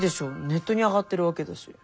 ネットに上がってるわけだし。